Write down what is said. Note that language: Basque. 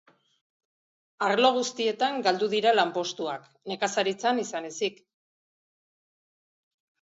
Arlo guztietan galdu dira lanpostuak, nekazaritzan izan ezik.